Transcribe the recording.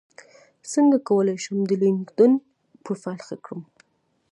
څنګه کولی شم د لینکیډن پروفایل ښه کړم